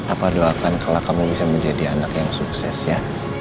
apa doakan kalau kamu bisa menjadi anak yang sukses ya